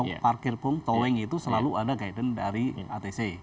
kalau parkir pun towing itu selalu ada guidance dari atc